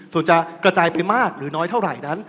ส่วนจะกระจายไปมากหรือน้อยเท่าไหร่นั้น